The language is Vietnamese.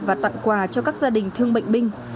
và tặng quà cho các gia đình thương bệnh binh